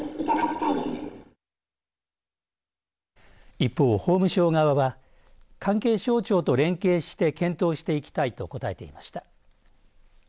一方、法務省側は関係省庁と連携して検討していきたいと答えていました。